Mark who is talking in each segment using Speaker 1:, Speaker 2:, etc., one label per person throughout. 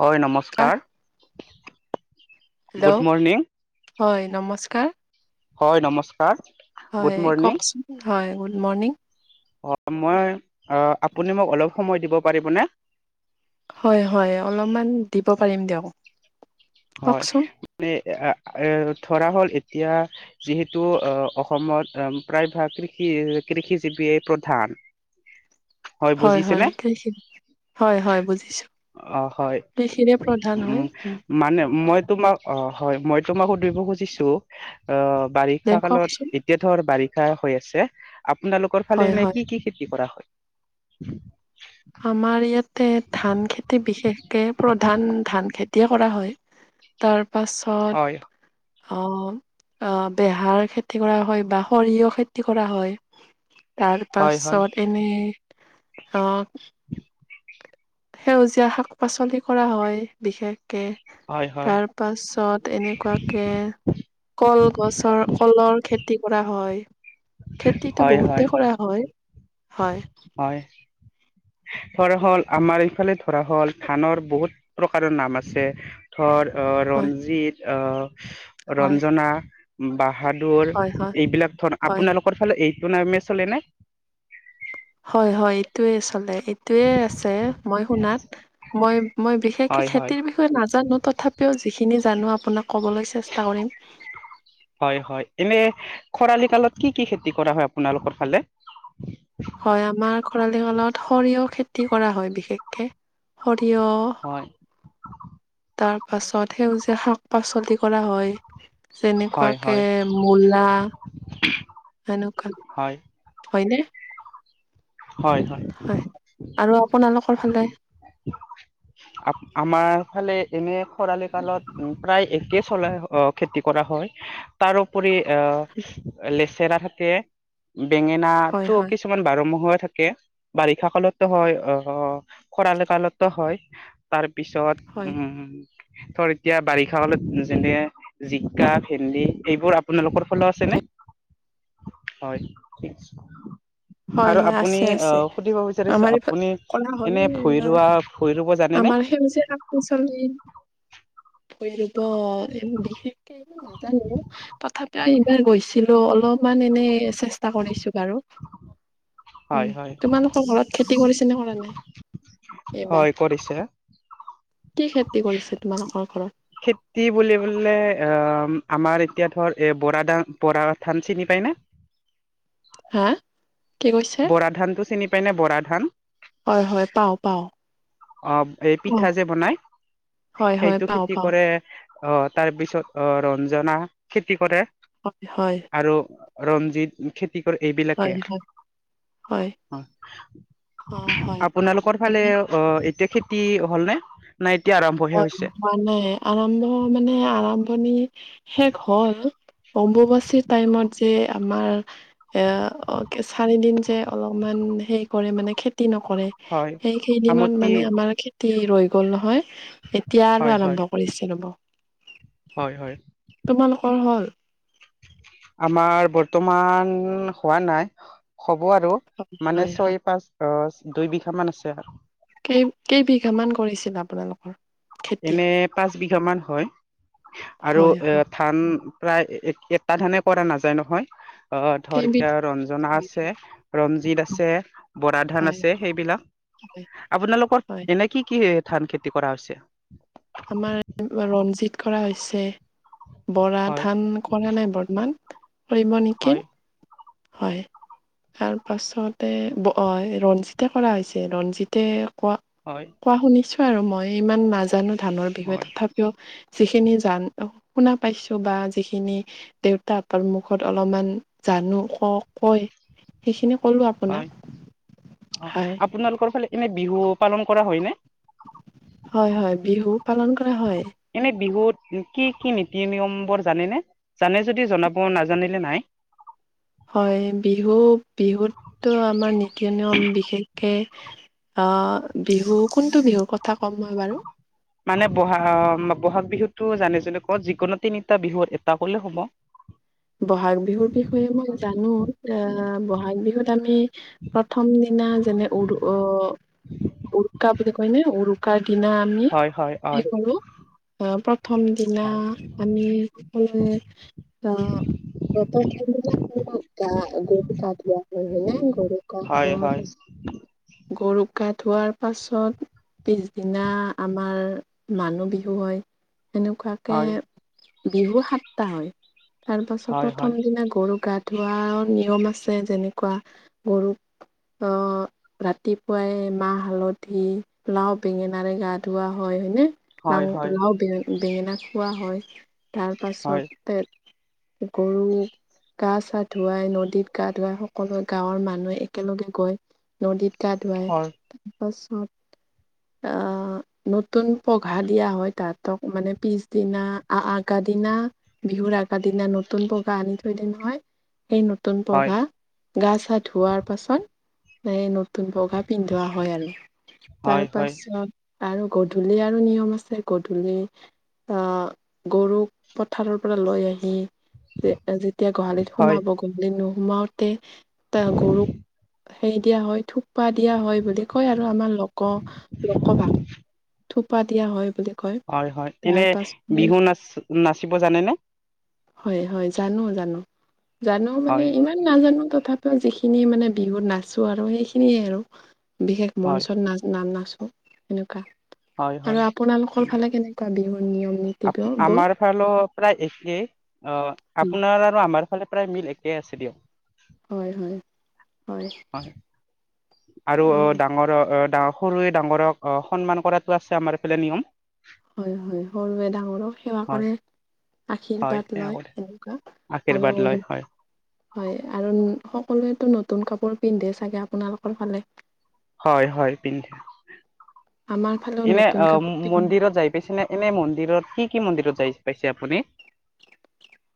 Speaker 1: হয়, নমস্কাৰ। Good
Speaker 2: hello
Speaker 1: morning
Speaker 2: হয় নমস্কাৰ।
Speaker 1: হয়, নমস্কাৰ। গুড
Speaker 2: হয়
Speaker 1: মৰ্ণিং
Speaker 2: কওকচোন হয়, গুড মৰ্ণিং।
Speaker 1: অ' মই অ আপুনি মোক অলপ সময় দিব পাৰিবনে।
Speaker 2: হয় হয় অলপমান দিব পাৰিম দিয়ক।
Speaker 1: হয়
Speaker 2: কওকচোন
Speaker 1: মানে এ এ ধৰা হ'ল এতিয়া। যিহেতু আহ অসমত প্ৰায়ভাগ কৃষি কৃষিজীৱিয়েই প্ৰধান। [unintelligible]
Speaker 2: হয় হয় কখিন [unintelligible] হয় হয় বুজিছো।
Speaker 1: অ হয়
Speaker 2: এইখিনিয়েই প্ৰধান
Speaker 1: উম
Speaker 2: হয়। উ
Speaker 1: মানে মই তোমাক অ হয় মই তোমাক সুধৰিব খুজিছোঁ। আহ'
Speaker 2: দে
Speaker 1: বাৰিষা কালত,
Speaker 2: কওকচোন
Speaker 1: এতিয়া ধৰ বাৰিষা হৈ আছে। আপোনালোকৰ ফালে
Speaker 2: হয়
Speaker 1: এনে
Speaker 2: হয়
Speaker 1: কি কি খেতি কৰা হয়।
Speaker 2: আমাৰ ইয়াতে ধান খেতি বিশেষকে প্ৰধান ধান খেতিয়ে কৰা হয়। তাৰ
Speaker 1: হয়
Speaker 2: পাছত। অ' অ বেহাৰ খেতি কৰা হয়, বা সৰিয়হ খেতি কৰা হয়।
Speaker 1: হয় হয়
Speaker 2: তাৰপাছত এনেই। অ' সেউজীয়া শাক পাচলি কৰা হয়। বিশেষকে
Speaker 1: হয় হয়
Speaker 2: তাৰ পাছত এনেকুৱাকে, কলগছৰ, কলৰ খেতি কৰা হয়। খেতিতটো
Speaker 1: হয়
Speaker 2: বহুতে কৰা হয়। হয়, হয়।
Speaker 1: হয়্ ধৰা হ'ল আমাৰ এইফালে ধৰা হল থানৰ বহুত, প্ৰকাৰৰ নাম আছে। ধৰ আহ
Speaker 2: হয়,
Speaker 1: ৰঞ্জিত আহ',
Speaker 2: হয়,
Speaker 1: ৰঞ্জনা বাহাদুৰ
Speaker 2: হয়, হয়,
Speaker 1: এইবিলাক ধন
Speaker 2: হয়।
Speaker 1: আপোনালোক, চব ফালে এইটো নেইমে চলে নে?
Speaker 2: হয় হয় এইটোয়ে চলে। এই এইটোৱে আছে মই শুনাত মই মই বিশেষকে
Speaker 1: হয় হয়
Speaker 2: খেতিৰ বি নাজানো তথাপিও যিখিনি জানো আপোনাক ক'বলৈ চেষ্টা কৰিম।
Speaker 1: হয় হয়। এনে খৰালি কালত কি কি খেতি কৰা হয় আপোনালোকৰ ফালে?
Speaker 2: হয়, আমাৰ খৰালি কালত সৰিয়হ খেতি কৰা হয় বিশেষকে সৰিয়
Speaker 1: হয়।
Speaker 2: তাৰ পাছত সেউজীয়া শাক পাচলি। কৰা হয়,
Speaker 1: হয়
Speaker 2: যেনেকুৱাকে
Speaker 1: হয়
Speaker 2: মূলা ৰেণুকা
Speaker 1: হয়
Speaker 2: হয়ইনে?
Speaker 1: হয় হয়।
Speaker 2: হয় আৰু আপোনালোকৰ ফালে?
Speaker 1: আ-আমাৰ ফালে এনে খৰালি কালত প্ৰায় একেই চলাই খেতি কৰা হয়। তাৰোপৰি আহ লেচেৰা থাকে, বেঙেনা
Speaker 2: হয়
Speaker 1: টো
Speaker 2: হয়
Speaker 1: কিছুমান কিমান বাৰ মাহে থাকে, বাৰিষা কালতো হয়, অ' খৰাল কালতো হয়। তাৰ পিছত
Speaker 2: হয়
Speaker 1: উম, ধৰ এতিয়া বাৰিষা কালত যেনে জিকা ভেন্দি এইবোৰ আপোনালোকৰ ফালেও আছেনে? হয় ঠিক।
Speaker 2: হয়
Speaker 1: আৰু
Speaker 2: হয়
Speaker 1: আপুনি
Speaker 2: আছে আছে
Speaker 1: আহ সুধিব বিচাৰিছো
Speaker 2: আমাৰ এইফালে
Speaker 1: আপুনি
Speaker 2: কৰা হয়
Speaker 1: এনে ভৈ ৰৱা ভৈ ৰব যা
Speaker 2: আমাৰ সেউজীয়া শাক পাচলি, ভৈৰৱ এইবোৰ বিশেষকে নাজানো তথাপিও এইবাৰ গৈছিলো অলপমান এনেই চেষ্টা কৰিছো বাৰু। উম,
Speaker 1: হয় হয়
Speaker 2: তোমালোকৰ ঘৰত খেতি কৰিছেনে কৰা নাই? এইবাৰ
Speaker 1: হয় কৰিছে।
Speaker 2: কি খেতি কৰিছে তোমালোকৰ ঘৰত?
Speaker 1: খেতি বুলিবলে এ, আমাৰ এতিয়া ধৰ এ বৰা ধান বৰা ধান চিনি পায়নে?
Speaker 2: হা? কি কৈছে
Speaker 1: বৰা ধানতটো চিনি পাইনে বৰা ধান?
Speaker 2: হয় হয়, পাওঁ পাওঁ।
Speaker 1: অ', এই পিঠা যে বনাই
Speaker 2: হয় হয়
Speaker 1: সেইটো
Speaker 2: পাও
Speaker 1: খেতি
Speaker 2: পাও
Speaker 1: কৰে অ', তাৰপিছত অ', ৰঞ্জনা খেতি কৰে।
Speaker 2: হয় হয়।
Speaker 1: আৰু ৰঞ্জিত কি কৰে এই বিল
Speaker 2: হয় হয় হয়। অ হয়
Speaker 1: আপোনালোকৰ ফালে অ' এতিয়া খেতি হ'লনে? নাই, এতিয়া আৰম্ভহে
Speaker 2: হয়,
Speaker 1: হৈছে।
Speaker 2: হোৱা নাই আৰম্ভ মানে আৰম্ভণি শেষ হল অম্বুবাচিৰ টাইমত যে আমাৰ এ, চাৰি দিন যে অলপমান হে কৰে মানে খেতি নকৰে
Speaker 1: হয়
Speaker 2: সেই কেইদিনত
Speaker 1: আমতি
Speaker 2: মানে আমাৰ খে তি ৰৈ গল নহয়, এতিয়া আৰু
Speaker 1: হয় হয়
Speaker 2: আৰম্ভ কৰিছে ৰ'ব।
Speaker 1: হয় হয়।
Speaker 2: তোমালোকৰ হ'ল?
Speaker 1: আমাৰ বৰ্তমান হোৱা নাই হ'ব আৰু। মানে
Speaker 2: হয় হয়।
Speaker 1: ছয় পাঁচ আহ দুই বিঘা মান আছে আৰু।
Speaker 2: কেই কেইবিঘা মান কৰিছিল আপোনালোকৰ? খেতি
Speaker 1: এনে পাঁচ বিঘা মান হয় আৰু
Speaker 2: হয়
Speaker 1: এ
Speaker 2: হয়।
Speaker 1: ধান প্ৰায় এক এটা ধানে কৰা নাযায় নহয় অ', ধৰ
Speaker 2: কেইবিধ
Speaker 1: এতিয়া ৰঞ্জনা আছে ৰঞ্জিত আছে, বৰা ধান
Speaker 2: হয়
Speaker 1: আছে সেইবিলাক
Speaker 2: হয়
Speaker 1: আপোনালোকৰ
Speaker 2: হয়।
Speaker 1: এনে কি কি ধান খেতি কৰা হৈছে
Speaker 2: আমাৰ ৰঞ্জিত কৰা হৈছে বৰা
Speaker 1: হয়
Speaker 2: ধান কৰা নাই বৰ্তমান কৰিব নেকি
Speaker 1: হয়
Speaker 2: হয় তাৰ পাছতে ৰঞ্জিতে কৰা হৈছে ৰঞ্জিতে কোৱা
Speaker 1: হয়।
Speaker 2: খোৱা শুনিছোঁ আৰু মই ইমান নাজানো ধানৰ বিষয়ে
Speaker 1: হয়
Speaker 2: তথাপি কিয় যিখিনি জান শুনা পাইছো বা যিখিনি দেউতাকৰ মুখত অলপমান জানো ক কয় সেইখিনি কলো আপোনাক
Speaker 1: হয় অ',
Speaker 2: হয়
Speaker 1: আপোনালোকৰ ফালে এনে বিহু পালন কৰা হয়নে?
Speaker 2: হয় হয় বিহু পালন কৰা হয়।
Speaker 1: এনে বিহুত কি কি নীতি নিয়ম বোৰ জানেনে জানে যদি জনাব নাজানিলে নাই
Speaker 2: হয় বিহু বিহুতো আমাৰ নীতি নিয়ম বিশেষকে অ', বিহু কোনটো বিহুৰ কথা ক'ম মই বাৰু
Speaker 1: মানে বহাগ বহাগ বিহুতটো জানে জোনে ক যিকোনো তিনিটা বিহুত এটা হ'লে হ'ব
Speaker 2: বহাগ বিহুৰ বিষয়ে মই জানো আহ বহাগ বিহুত আমি প্ৰথম দিনা যেনে উৰু আহ উৰুকা বুলি কয়নে উৰুকা কাৰ দিনা আমি
Speaker 1: হয় হয় হয়
Speaker 2: হে কৰোঁ। অহ প্ৰথম দিনা
Speaker 1: হয়
Speaker 2: আমি সকলোৱে আহ
Speaker 1: হয়
Speaker 2: [unintelligible]
Speaker 1: [unintelligible]
Speaker 2: গৰুক গা ধোৱাৰ পাছত। পিছদিনা, আমাৰ মানুহ বিহু হয় সেনেকুৱা।
Speaker 1: হয়
Speaker 2: বিহু সাতটা হয়, তাৰ পাছত
Speaker 1: হয় হয়
Speaker 2: প্ৰথম দিনা গৰু গাত ধোৱাৰ নিয়ম আছে, যেনেকুৱা গৰুক আহ ৰাতিপুৱাই মাহ হালধি লাও বেঙেনাৰে গা ধোৱা হয় হয়নে।
Speaker 1: হয়
Speaker 2: লাং
Speaker 1: হয়
Speaker 2: লাও বেঙ বেঙেনা খোৱা হয় তাৰ
Speaker 1: হয়
Speaker 2: পাছতে। গৰু গা চা ধুৱাই নদীত গা ধুৱাই সকলো গাঁৱৰ মানুহে একেলগে গৈ। নদীত গা ধুৱাই
Speaker 1: হয়
Speaker 2: তাৰপাছত আহ নতুন পঘা দিয়া হয়, তাহতক মানে পিছদিনা আগ দিনা বিহুৰ আগ দিনা নতুন নতুন পঘা আনি থৈ দিয়ে নহয় সেই নতুন
Speaker 1: হয়
Speaker 2: পঘা গা চা ধোৱাৰ পাছত এই নতুন বগা পিন্ধোৱা হয় আৰু তাৰ
Speaker 1: হয় হয়
Speaker 2: পাছত আৰু গধূলি আৰু নিয়ম আছে গধূলি। গৰুক পথাৰৰ পৰা লৈ আহি। যেতিয়া গোহালিত
Speaker 1: হয়
Speaker 2: সোমাব গোহালিত নোসোমাওতে এ গৰুক। হেৰি দিয়া হয়, থোপপা দিয়া হয় বুলি কয় আৰু আমাৰ লোক লোকভাষা থোপা দিয়া হয় বুলি কয়
Speaker 1: হয়, হয়,
Speaker 2: তাৰ
Speaker 1: এনে
Speaker 2: পাছতে
Speaker 1: বিহু নাচ নাচিব জানেনে।
Speaker 2: হয়, হয়, জানো জানো জানো মানে
Speaker 1: হয়
Speaker 2: ইমান নাজানো তথাপিও যিখিনি মানে বিহুত নাচো আৰু সেইখিনিয়ে আৰু বিশেষ
Speaker 1: হয়
Speaker 2: মঞ্চত না ন নাচো এনেকুৱা
Speaker 1: হয়
Speaker 2: আৰু
Speaker 1: হয়
Speaker 2: আপোনালোকৰ ফালে কেনে কুৱা বিহু নিয়ম নীতি
Speaker 1: আ
Speaker 2: বোৰ বোৰ?
Speaker 1: আমাৰ ফালে প্ৰায় একেই অ' আপোনাৰ আৰু আমাৰ ফালে প্ৰায় মিল একেই আছে দিয়ক।
Speaker 2: হয়, হয়।
Speaker 1: হয় আৰু অ' ডাঙৰ ডাঙৰ সৰুৱে ডাঙৰক অ' সন্মান কৰাতটো আছে আমাৰ এইফালে নিয়ম।
Speaker 2: হয়, হয়, সৰুৱে ডাঙৰক সেৱা
Speaker 1: হয়
Speaker 2: কৰে।
Speaker 1: হয়
Speaker 2: আশীৰ্বাদ
Speaker 1: সেয়া
Speaker 2: লয়
Speaker 1: কৰে
Speaker 2: সেনেকুৱা
Speaker 1: আশীৰ্বাদ লয়
Speaker 2: আৰু
Speaker 1: হয়
Speaker 2: হয় আৰু সকলোৱেতো নতুন কাপোৰ পিন্ধে চাগে আপোনালোকৰ ফালে।
Speaker 1: হয়, হয়, পিন্ধে
Speaker 2: আমাৰ ফালেও
Speaker 1: এনে
Speaker 2: নতুন
Speaker 1: অ'
Speaker 2: কাপোৰ পিন্ধে
Speaker 1: মন্দিৰত যাই পাইছেনে? এনে মন্দিৰত কি কি মন্দিৰত যাই পাইছে আপুনি?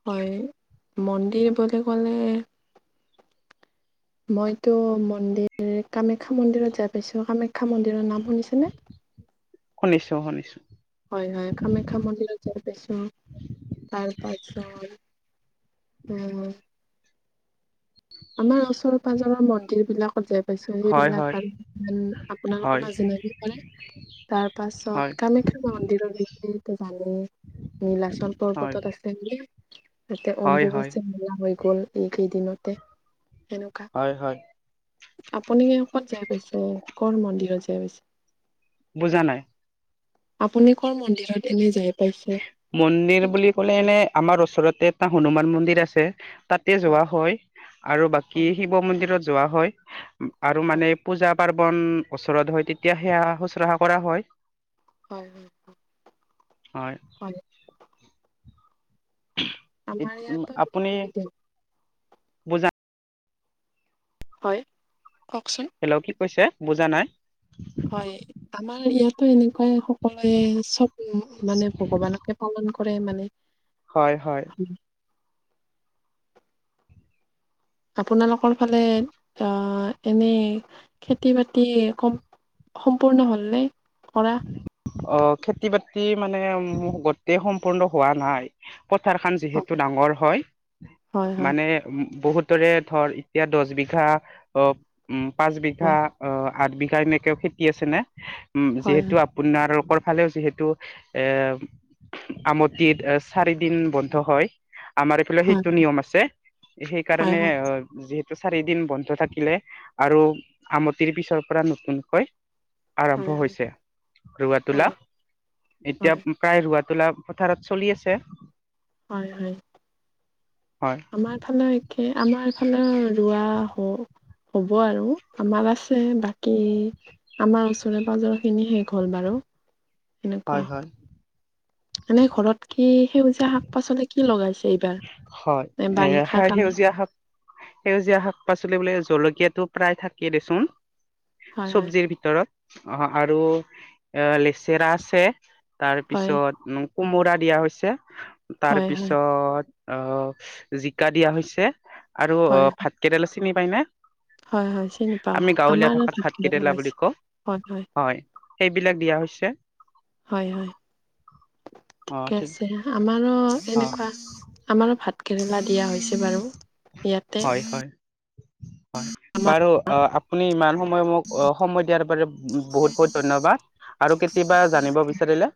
Speaker 2: হয়, মন্দিৰ বুলি ক'লে। মইতো মন্দিৰ কামাখ্যা মন্দিৰত যাই পাইছো। কামাখ্যা মন্দিৰৰ নাম শুনিছা।
Speaker 1: শুনিছোঁ শুনিছোঁ।
Speaker 2: হয়, হয়, কামাখ্যা মন্দিৰত যাই পাইছো তাৰ পাছত। উম। আমাৰ ওচৰ পাজৰৰ মন্দিৰ বিলাকতে যাই পাইছো
Speaker 1: হয়
Speaker 2: সেইবিলাক
Speaker 1: হয়
Speaker 2: ভাল ভাল আপোনালোকৰ
Speaker 1: হয়
Speaker 2: নাজিনিব পাৰে। তাৰ
Speaker 1: হয়
Speaker 2: পাছত কামাখ্যা মন্দিৰৰ বিষয়টো জানেই। নীলাচল
Speaker 1: হয়
Speaker 2: পৰ্বতত আছে। তাতে
Speaker 1: হয় হয়
Speaker 2: অম্বুবাচী মেলা হৈ গ'ল এইকেইদিনতে সেনেকুৱা।
Speaker 1: হয়, হয়।
Speaker 2: আপুনি ক'ত যাই পাইছে? ক'ৰ মন্দিৰত যাই পাইছে?
Speaker 1: বুজা নাই।
Speaker 2: আপুনি কৰ মন্দিৰত এনে যায়
Speaker 1: মন্দিৰ বুলি ক'লে এনে আমাৰ ওচৰতে এটা হনুমান মন্দিৰ আছে তাতে যোৱা হয় আৰু বাকী
Speaker 2: হয়
Speaker 1: শিৱ মন্দিৰত যোৱা হয় আৰু
Speaker 2: হয়
Speaker 1: মানে পূজা পাৰ্বণ ওচৰত হয় তেতিয়া সেয়া শুশ্ৰূষা কৰা হয়
Speaker 2: হয় হয় হয়
Speaker 1: হয়
Speaker 2: আমাৰ ইয়াতো
Speaker 1: আপুনি বুজা
Speaker 2: হয় কওকচোন
Speaker 1: হেল্ল' কি কৈছে বুজা নাই
Speaker 2: হয় আমাৰ ইয়াতো এনেকুৱাই সকলোৱে চব মানে ভগৱানকে পালন কৰে কৰেই মানে
Speaker 1: হয় হয়
Speaker 2: ও আপোনালোকৰ ফালে অ এনে খেতি বাতি কম সম্পূৰ্ণ হ'লনে কৰা?
Speaker 1: অ খেতি বাতি মানে গোটেই সম্পূৰ্ণ হোৱা নাই পথাৰ খান যিহেতু ডাঙৰ হয়
Speaker 2: হয় হয়
Speaker 1: মানে উম বহুত ধৰ এতিয়া দছ বিঘা অ উম পাঁচ বিঘা
Speaker 2: হয়
Speaker 1: অ আঠ বিঘা এনেকেও খেতি আছেনে উম
Speaker 2: হয়
Speaker 1: যিহেতু আপোনালোকৰ ফালেও যিহেতু এ আমটিত চাৰি দিন বন্ধ হয় আমাৰ এইফালে
Speaker 2: হয়
Speaker 1: সেইটো নিয়ম আছে
Speaker 2: হয়
Speaker 1: সেইকাৰণে
Speaker 2: হয়
Speaker 1: অ যিহেতু চাৰি দিন বন্ধ থাকিলে আৰু আমটিৰ পিছৰ পৰা নতুনকৈ
Speaker 2: হয় হয় হয়
Speaker 1: আৰম্ভ হৈছে ৰোৱা তোলা
Speaker 2: হয়
Speaker 1: এতিয়া
Speaker 2: হয়
Speaker 1: প্ৰায় ৰোৱা তোলা পথাৰত চলি আছে
Speaker 2: হয় হয়
Speaker 1: হয়
Speaker 2: আমাৰ ফালে একে আমাৰ ফালে ৰোৱা হওক হ'ব আৰু আমাৰ আছে বাকী আমাৰ ওচৰে পাজৰ খিনি শেষ হল বাৰু এনেকুৱা
Speaker 1: হয় হয়
Speaker 2: মানে ঘৰত কি সেউজীয়া শাক পাচলি কি লগাইছে এইবাৰ
Speaker 1: হয় এ
Speaker 2: বাৰিষা কাল
Speaker 1: সেউজীয়া শাক সেউজীয়া শাক পাচলি বোলে জলকীয়াটো প্ৰায় থাকেই দেচোন
Speaker 2: হয়
Speaker 1: চব্জিৰ ভিতৰত অ আৰু এ লেচেৰা আছে তাৰ
Speaker 2: হয়
Speaker 1: পিছত কোমোৰা দিয়া হৈছে
Speaker 2: হয় হয়
Speaker 1: তাৰপিছত অ জিকা দিয়া হৈছে আৰু অ
Speaker 2: হয় হয়
Speaker 1: ভাতকেইডালো চিনি পায়নে
Speaker 2: হয় হয় চিনি পাওঁ
Speaker 1: আমি গাঁৱলীয়া
Speaker 2: আমাৰ
Speaker 1: ভাষাত
Speaker 2: ভাতকেৰেলা
Speaker 1: ভাতকিদেলা বুলি
Speaker 2: লগাইছে
Speaker 1: কওঁ হয় সেইবিলাক দিয়া হৈছে
Speaker 2: হয় হয়
Speaker 1: অ
Speaker 2: ঠিকে
Speaker 1: ঠিক
Speaker 2: আছে আমাৰো
Speaker 1: অ
Speaker 2: এনেকুৱা আমাৰ ভাতকেৰেলা দিয়া হৈছে বাৰু ইয়াতে
Speaker 1: হয় হয় হয়
Speaker 2: আমাৰ
Speaker 1: বাৰ আপুনি ইমান সময় মোক সময় দিয়াৰ বাবে বহুত বহুত ধন্যবাদ আৰু কেতিয়াবা জানিব বিচাৰিলে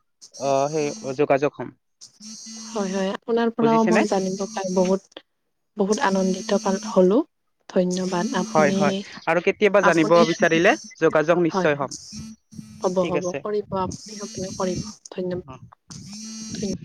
Speaker 1: আহ সেই যোগাযোগ হম
Speaker 2: হয় হয় আপোনাৰ পৰাও
Speaker 1: বুজিছেনে
Speaker 2: মই জানিব তাম বহুত বহুত আনন্দিত পাল হলো ধন্যবাদ
Speaker 1: হয়
Speaker 2: আপুনি
Speaker 1: হয় আৰু কেতিয়াবা জানিব
Speaker 2: আপুনি
Speaker 1: বিচাৰিলে যোগাযোগ নিশ্চয় হম ঠিক আছে
Speaker 2: ু কৰিব ধন্যবাদ ধনাদ